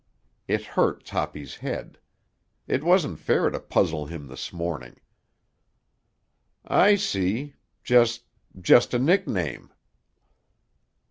It hurt Toppy's head. It wasn't fair to puzzle him this morning. "I see. Just—just a nickname."